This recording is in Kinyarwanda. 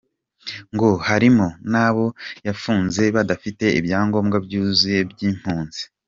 Ngo harimo n’abo yafunze badafite ibyangombwa byuzuye by’impunzi.